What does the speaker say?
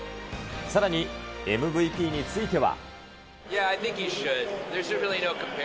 さらにＭＶＰについては。